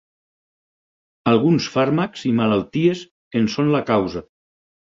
Alguns fàrmacs i malalties en són la causa.